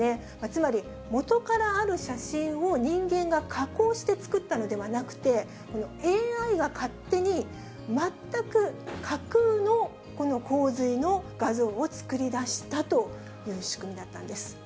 つまり、元からある写真を、人間が加工して作ったのではなくて、ＡＩが勝手に全く架空の、この洪水の画像を作り出したという仕組みだったんです。